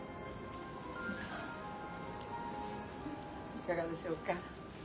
いかがでしょうか？